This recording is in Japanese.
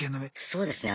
そうですね。